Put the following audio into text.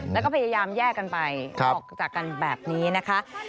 แล้วก็พยายามแยกกันไปออกจากกันแบบนี้นะคะ